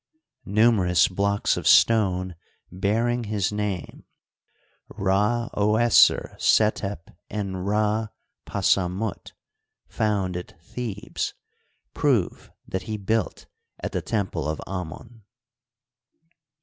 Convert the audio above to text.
Numerous blocks of stone bearing his name, Rd oUeser'Seiep fn'RdPa'Sa'MutAoynxid at Thebes, prove that he built at the temple of Amon.